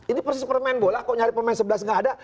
ini persis permain bola kalau mencari pemain sebelas tidak ada